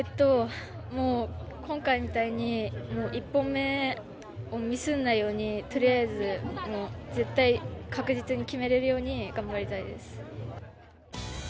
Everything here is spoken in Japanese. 今回みたいに１本目をミスんないように、とりあえず、もう絶対、確実に決めれるように頑張りたいです。